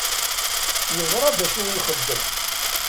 Neẓṛa dacu i nxeddem.